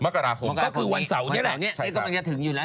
ก็คือวันเสาร์นี้แหละ